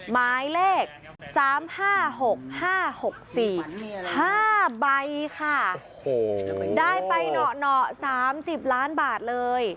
ไม้เลขสามห้าหกห้าหกสี่ห้าใบค่ะโอ้โหได้ไปหนอกหนอกสามสิบล้านบาทเลย